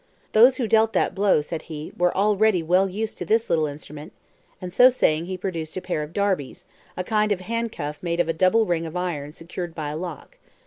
"Those who dealt that blow," said he, "were already well used to this little instrument"; and so saying he produced a pair of "darbies," a kind of handcuff made of a double ring of iron secured by a lock.